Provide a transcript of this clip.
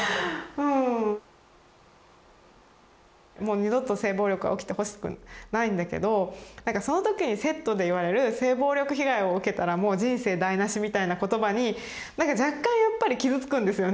二度と性暴力は起きてほしくないんだけどそのときにセットで言われる「性暴力被害を受けたらもう人生台なし」みたいな言葉になんか若干やっぱり傷つくんですよね。